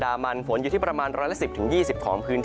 ภาคใต้ฝั่งอันดามันฝนอยู่ที่ประมาณ๑๑๐๒๐องศาเซียตสูงสูงประมาณ๑เมตร